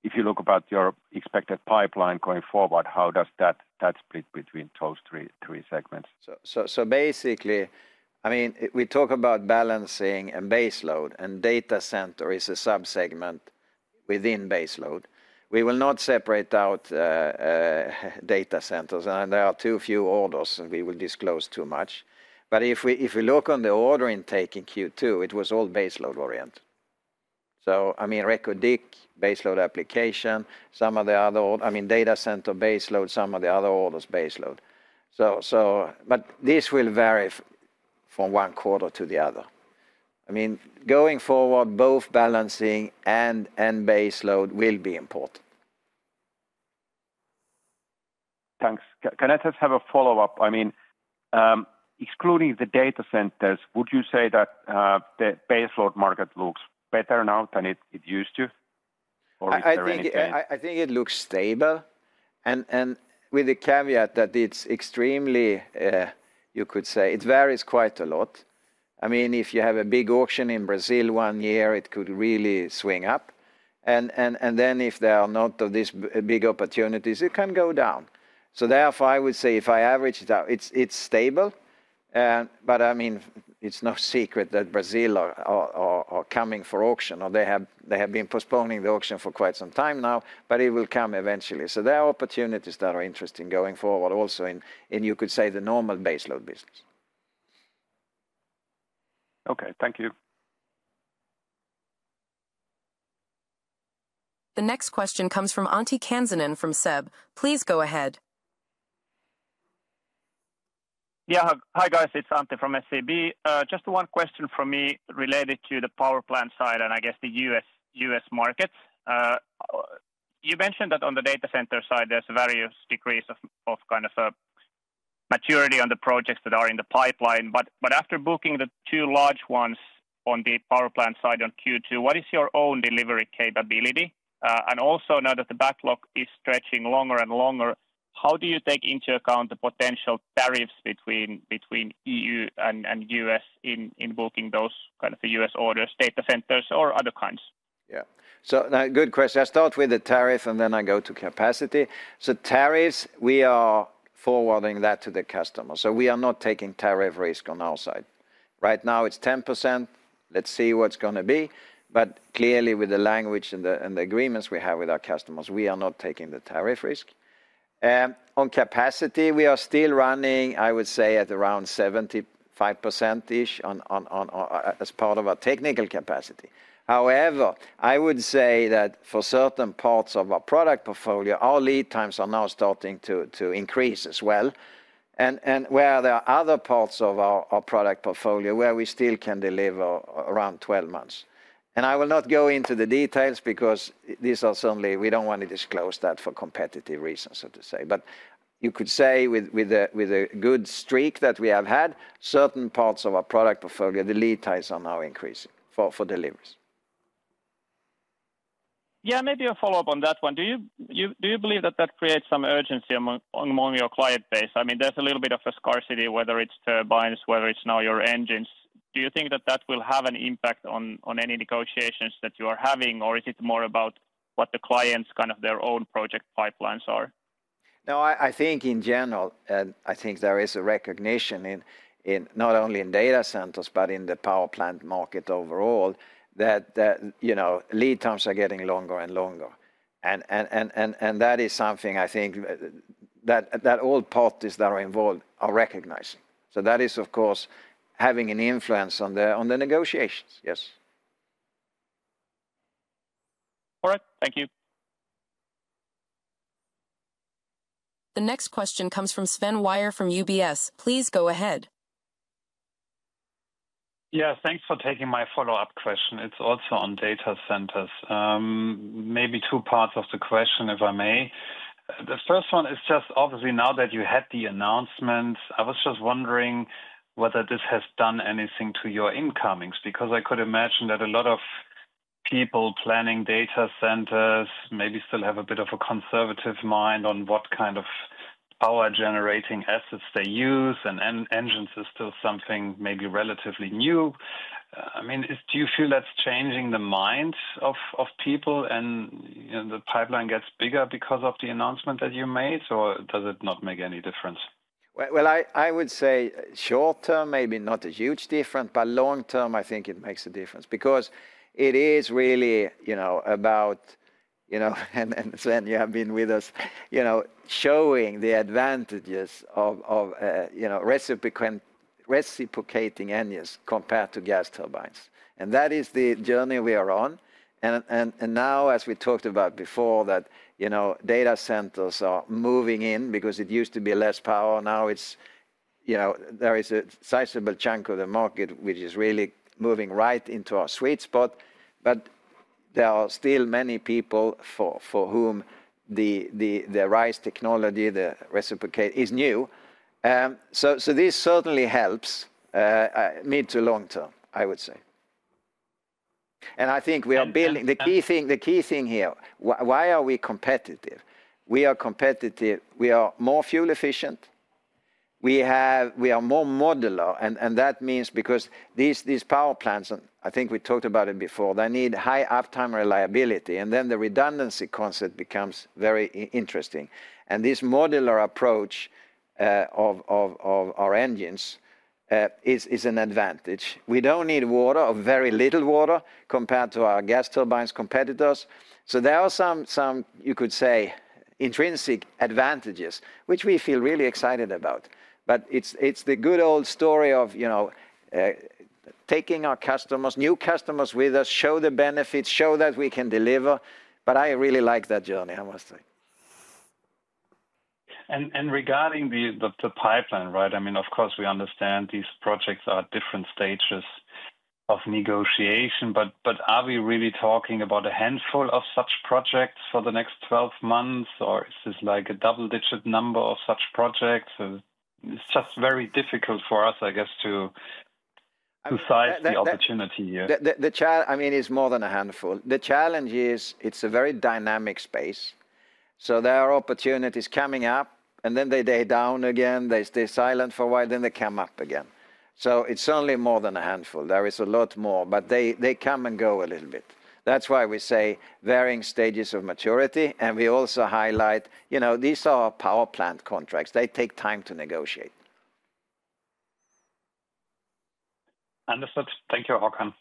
And if you look about your expected pipeline going forward, how does that split between those three segments? So basically, I mean, we talk about balancing and baseload, and data center is a subsegment within baseload. We will not separate out. Data centers. And there are too few orders, and we will disclose too much. But if we look on the order intake in Q2, it was all baseload oriented. So, I mean, a record big baseload application, some of the other orders, I mean, data center baseload, some of the other orders baseload. But this will vary from one quarter to the other. I mean, going forward, both balancing and baseload will be important. Thanks. Can I just have a follow-up? I mean. Excluding the data centers, would you say that. The baseload market looks better now than it used to? Or is there a gap? I think it looks stable. And with the caveat that it's extremely, you could say, it varies quite a lot. I mean, if you have a big auction in Brazil one year, it could really swing up. And then if there are not these big opportunities, it can go down. So therefore, I would say if I average it out, it's stable. But I mean, it's no secret that Brazil auctions are coming, or they have been postponing the auction for quite some time now, but it will come eventually. So there are opportunities that are interesting going forward also in, you could say, the normal baseload business. Okay, thank you. The next question comes from Antti Kansanen from SEB. Please go ahead. Yeah, hi guys, it's Antti from SEB. Just one question for me related to the power plant side and I guess the U.S. market. You mentioned that on the data center side, there's various degrees of kind of. Maturity on the projects that are in the pipeline. But after booking the two large ones on the power plant side on Q2, what is your own delivery capability? And also now that the backlog is stretching longer and longer, how do you take into account the potential tariffs between. EU and U.S. in booking those kind of U.S. orders, data centers or other kinds? Yeah. So now good question. I start with the tariff and then I go to capacity. So tariffs, we are forwarding that to the customer. So we are not taking tariff risk on our side. Right now it's 10%. Let's see what's going to be. But clearly with the language and the agreements we have with our customers, we are not taking the tariff risk. On capacity, we are still running, I would say, at around 75%-ish. As part of our technical capacity. However, I would say that for certain parts of our product portfolio, our lead times are now starting to increase as well. And where there are other parts of our product portfolio where we still can deliver around 12 months. And I will not go into the details because these are certainly, we don't want to disclose that for competitive reasons, so to say. But you could say with a good streak that we have had, certain parts of our product portfolio, the lead times are now increasing for deliveries. Yeah, maybe a follow-up on that one. Do you believe that that creates some urgency among your client base? I mean, there's a little bit of a scarcity, whether it's turbines, whether it's now your engines. Do you think that that will have an impact on any negotiations that you are having, or is it more about what the client's kind of their own project pipelines are? No, I think in general, I think there is a recognition. Not only in data centers, but in the power plant market overall, that lead times are getting longer and longer. And that is something I think that all parties that are involved are recognizing. So that is, of course, having an influence on the negotiations, yes. All right, thank you. The next question comes from Sven Weier from UBS. Please go ahead. Yeah, thanks for taking my follow-up question. It's also on data centers. Maybe two parts of the question, if I may. The first one is just obviously now that you had the announcements, I was just wondering whether this has done anything to your incomings, because I could imagine that a lot of people planning data centers maybe still have a bit of a conservative mind on what kind of power-generating assets they use, and engines is still something maybe relatively new. I mean, do you feel that's changing the mind of people and the pipeline gets bigger because of the announcement that you made, or does it not make any difference? Well, I would say short-term, maybe not a huge difference, but long-term, I think it makes a difference because it is really about and Sven, you have been with us showing the advantages of reciprocating engines compared to gas turbines. And that is the journey we are on. And now, as we talked about before, that data centers are moving in because it used to be less power. Now there is a sizable chunk of the market which is really moving right into our sweet spot. But there are still many people for whom the RISE technology, the reciprocating, is new. So this certainly helps mid- to long-term, I would say. And I think we are building the key thing here. Why are we competitive? We are competitive. We are more fuel efficient. We are more modular. And that means because these power plants, and I think we talked about it before, they need high uptime reliability. And then the redundancy concept becomes very interesting. And this modular approach of our engines is an advantage. We don't need water, or very little water, compared to our gas turbine competitors. So there are some, you could say, intrinsic advantages, which we feel really excited about. But it's the good old story of taking our customers, new customers with us, show the benefits, show that we can deliver. But I really like that journey, I must say. And regarding the pipeline, right? I mean, of course, we understand these projects are different stages of negotiation. But are we really talking about a handful of such projects for the next 12 months, or is this like a double-digit number of such projects? It's just very difficult for us, I guess, to size the opportunity here. I mean, it's more than a handful. The challenge is it's a very dynamic space. So there are opportunities coming up, and then they die down again, they stay silent for a while, then they come up again. So it's certainly more than a handful. There is a lot more, but they come and go a little bit. That's why we say varying stages of maturity. And we also highlight these are power plant contracts. They take time to negotiate. Understood. Thank you, Håkan.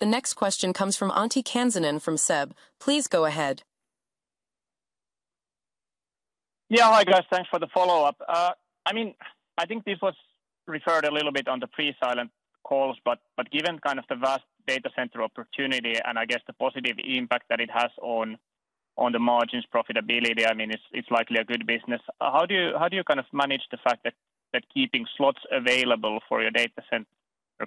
The next question comes from Antti Kansanen from SEB. Please go ahead. Yeah, hi guys. Thanks for the follow-up. I mean, I think this was referred a little bit on the pre-silent calls, but given kind of the vast data center opportunity and I guess the positive impact that it has on the margins profitability, I mean, it's likely a good business. How do you kind of manage the fact that keeping slots available for your data center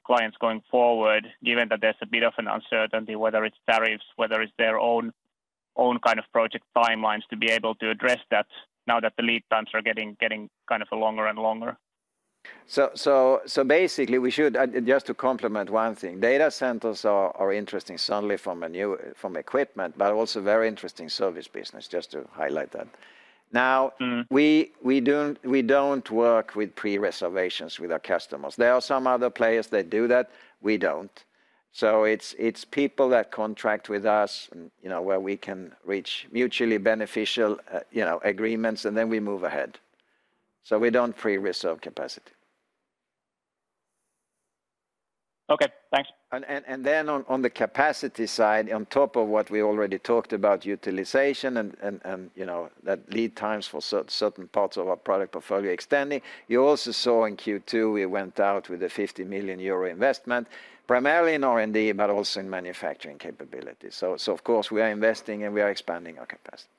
clients going forward, given that there's a bit of an uncertainty, whether it's tariffs, whether it's their own kind of project timelines to be able to address that now that the lead times are getting kind of longer and longer? So basically, we should, just to complement one thing, data centers are interesting certainly from equipment, but also very interesting service business, just to highlight that. Now we don't work with pre-reservations with our customers. There are some other players that do that. We don't. So it's people that contract with us where we can reach mutually beneficial agreements, and then we move ahead. So we don't pre-reserve capacity. Okay, thanks. And then on the capacity side, on top of what we already talked about, utilization and that lead times for certain parts of our product portfolio extending, you also saw in Q2 we went out with a 50 million euro investment, primarily in R&D, but also in manufacturing capability. So of course, we are investing and we are expanding our capacity.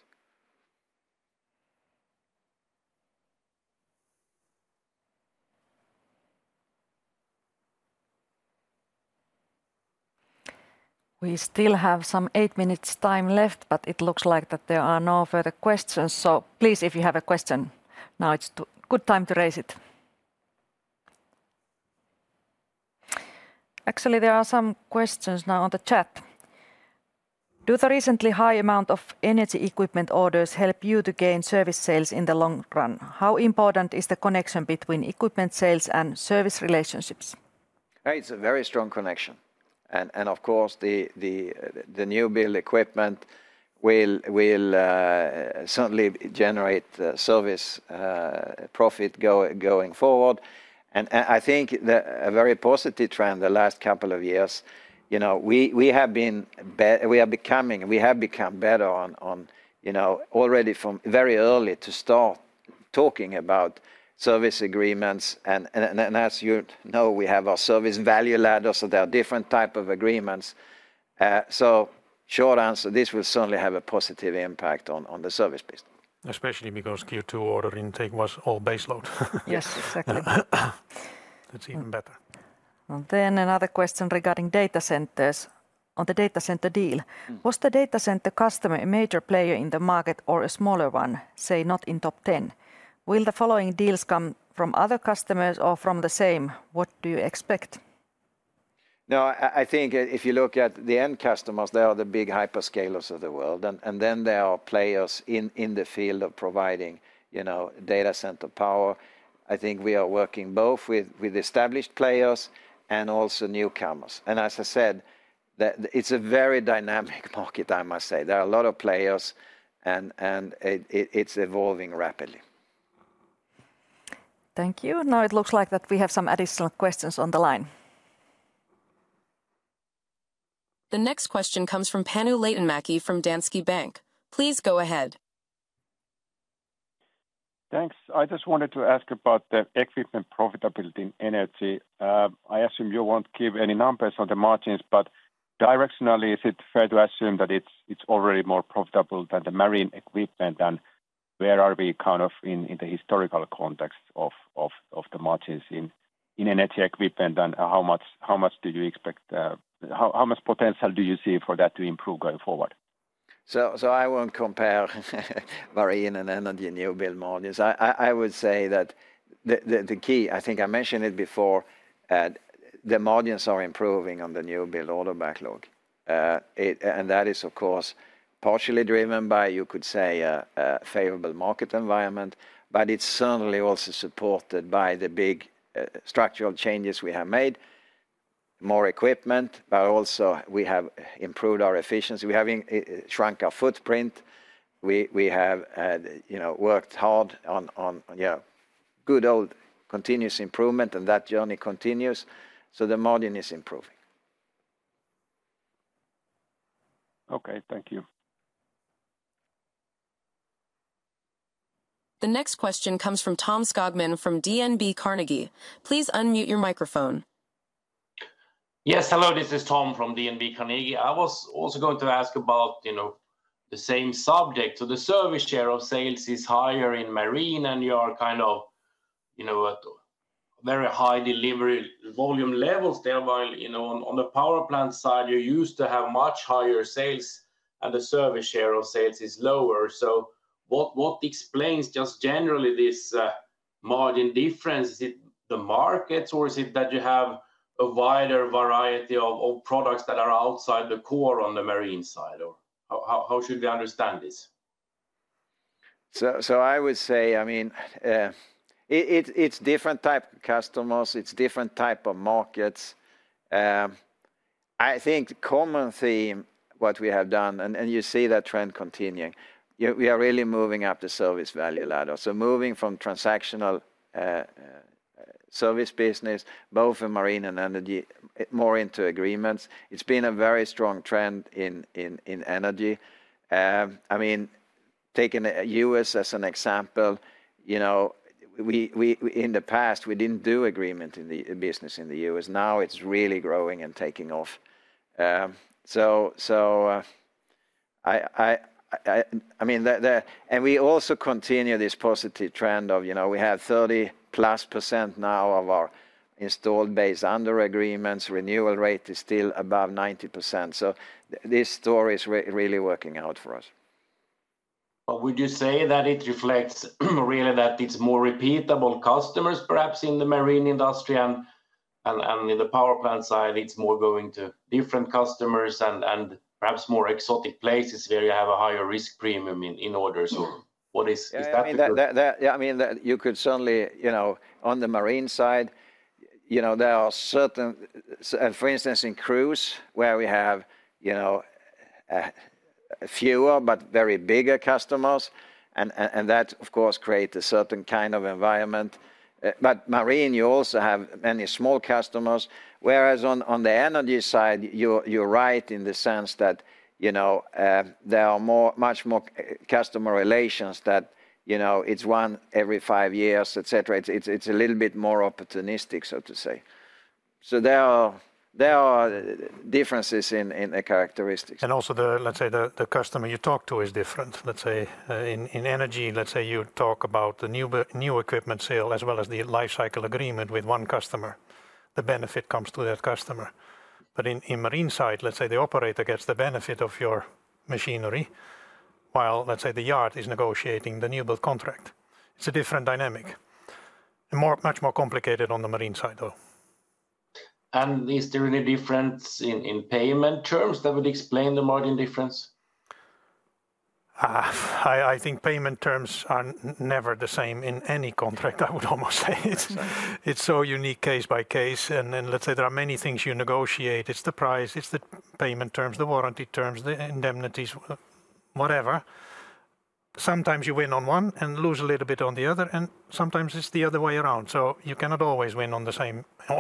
We still have some eight minutes time left, but it looks like that there are no further questions. So please, if you have a question, now it's a good time to raise it. Actually, there are some questions now on the chat. Do the recently high amount of energy equipment orders help you to gain service sales in the long run? How important is the connection between equipment sales and service relationships? It's a very strong connection. And of course the new build equipment will certainly generate service profit going forward. And I think a very positive trend the last couple of years. We have been becoming better on already from very early to start talking about service agreements. And as you know, we have our service value ladders, so there are different types of agreements. So short answer, this will certainly have a positive impact on the service business. Especially because Q2 order intake was all baseload. Yes, exactly. That's even better. Then another question regarding data centers. On the data center deal, was the data center customer a major player in the market or a smaller one, say not in top 10? Will the following deals come from other customers or from the same? What do you expect? No, I think if you look at the end customers, they are the big hyperscalers of the world. And then there are players in the field of providing data center power. I think we are working both with established players and also newcomers. And as I said, it's a very dynamic market, I must say. There are a lot of players. And it's evolving rapidly. Thank you. Now it looks like that we have some additional questions on the line. The next question comes from Panu Laitinmäki from Danske Bank. Please go ahead. Thanks. I just wanted to ask about the equipment profitability in energy. I assume you won't give any numbers on the margins, but directionally, is it fair to assume that it's already more profitable than the marine equipment? And where are we kind of in the historical context of the margins in energy equipment and how much do you expect, how much potential do you see for that to improve going forward? So I won't compare marine and energy new build margins. I would say that the key, I think I mentioned it before, the margins are improving on the new build order backlog. And that is, of course, partially driven by, you could say, a favorable market environment, but it's certainly also supported by the big structural changes we have made. More equipment, but also we have improved our efficiency. We have shrunk our footprint. We have worked hard on good old continuous improvement, and that journey continues. So the margin is improving. Okay, thank you. The next question comes from Tom Skogman from DNB Carnegie. Please unmute your microphone. Yes, hello, this is Tom from DNB Carnegie. I was also going to ask about the same subject. So the service share of sales is higher in marine, and you are kind of very high delivery volume levels there. On the power plant side, you used to have much higher sales, and the service share of sales is lower. So what explains just generally this margin difference? Is it the markets, or is it that you have a wider variety of products that are outside the core on the marine side? Or how should we understand this? So I would say, I mean, it's different type customers, it's different type of markets. I think the common theme, what we have done, and you see that trend continuing, we are really moving up the service value ladder. So moving from transactional service business, both in marine and energy, more into agreements. It's been a very strong trend in energy. I mean, taking the U.S. as an example. In the past, we didn't do agreement in the business in the U.S. Now it's really growing and taking off. So. I mean. And we also continue this positive trend of we have 30%+ now of our installed base under agreements. Renewal rate is still above 90%. So this story is really working out for us. Would you say that it reflects really that it's more repeatable customers, perhaps in the marine industry and in the power plant side, it's more going to different customers and perhaps more exotic places where you have a higher risk premium in orders? Or what is that? Yeah, I mean, you could certainly, on the marine side, there are certain, for instance, in cruise where we have fewer but very bigger customers. And that, of course, creates a certain kind of environment. But marine, you also have many small customers. Whereas on the energy side, you're right in the sense that there are much more customer relations that it's one every five years, etc. It's a little bit more opportunistic, so to say. So there are differences in the characteristics. And also, let's say the customer you talk to is different. Let's say in energy, let's say you talk about the new equipment sale as well as the life cycle agreement with one customer. The benefit comes to that customer. But in marine side, let's say the operator gets the benefit of your machinery while, let's say, the yard is negotiating the new build contract. It's a different dynamic. Much more complicated on the marine side, though. And is there any difference in payment terms that would explain the margin difference? I think payment terms are never the same in any contract, I would almost say. It's so unique case by case. And then let's say there are many things you negotiate. It's the price, it's the payment terms, the warranty terms, the indemnities, whatever. Sometimes you win on one and lose a little bit on the other, and sometimes it's the other way around. So you cannot always win on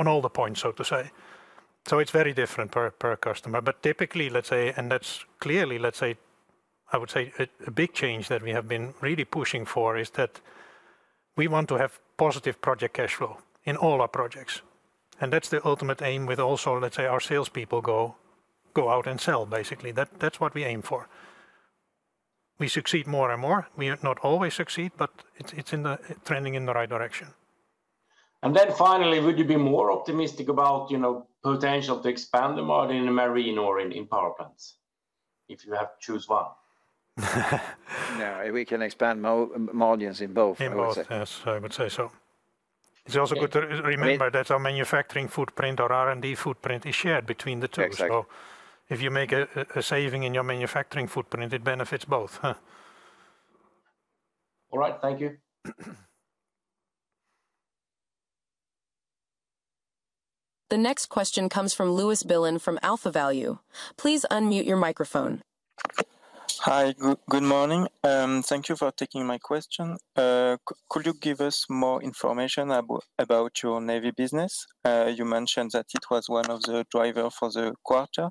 all the points, so to say. So it's very different per customer. But typically, let's say, and that's clearly, let's say, I would say a big change that we have been really pushing for is that. We want to have positive project cash flow in all our projects. And that's the ultimate aim with also, let's say, our salespeople go out and sell, basically. That's what we aim for. We succeed more and more. We not always succeed, but it's trending in the right direction. And then finally, would you be more optimistic about. Potential to expand the marine or in power plants? If you have to choose one. No, we can expand margins in both, I would say. In both, yes, I would say so. It's also good to remember that our manufacturing footprint or R&D footprint is shared between the two. So if you make a saving in your manufacturing footprint, it benefits both. All right, thank you. The next question comes from Louis Billon from AlphaValue. Please unmute your microphone. Hi, good morning. Thank you for taking my question. Could you give us more information about your Navy business? You mentioned that it was one of the drivers for the quarter.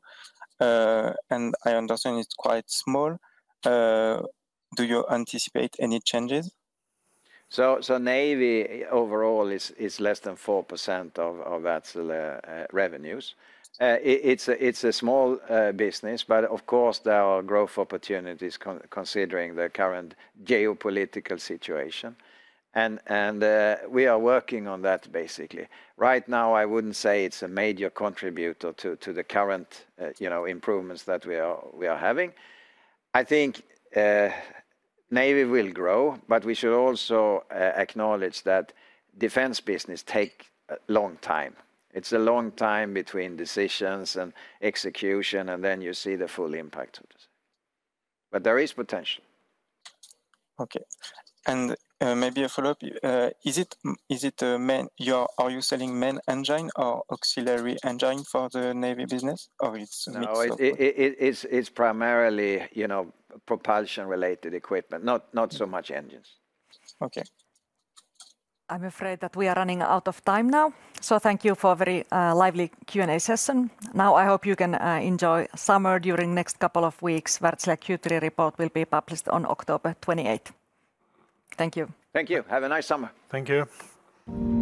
And I understand it's quite small. Do you anticipate any changes? So Navy overall is less than 4% of Wärtsilä revenues. It's a small business, but of course, there are growth opportunities considering the current geopolitical situation. And we are working on that, basically. Right now, I wouldn't say it's a major contributor to the current improvements that we are having. I think. Navy will grow, but we should also acknowledge that defense business takes a long time. It's a long time between decisions and execution, and then you see the full impact, so to say. But there is potential. Okay. And maybe a follow-up. Are you selling main engine or auxiliary engine for the Navy business? Or it's mixed? No, it's primarily propulsion-related equipment, not so much engines. Okay. I'm afraid that we are running out of time now. So thank you for a very lively Q&A session. Now I hope you can enjoy summer during the next couple of weeks. Wärtsilä Q3 report will be published on October 28th. Thank you. Thank you. Have a nice summer. Thank you.